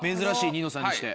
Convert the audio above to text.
『ニノさん』にして。